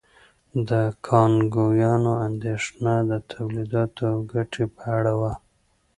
د کانګویانو اندېښنه د تولیداتو او ګټې په اړه وه.